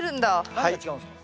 何が違うんすか？